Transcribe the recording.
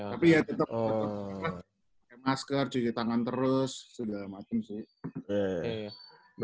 tapi ya tetep masker cuci tangan terus sudah macem sih